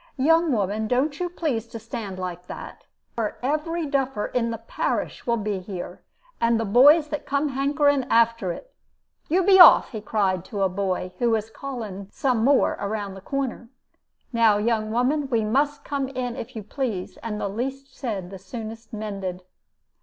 'Young woman, don't you please to stand like that, or every duffer in the parish will be here, and the boys that come hankering after it. You be off!' he cried out to a boy who was calling some more round the corner. 'Now, young woman, we must come in if you please, and the least said the soonest mended.'